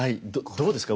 どうですか？